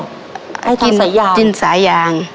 ให้ทำสายาวจิ้นสายาวจิ้นสายาว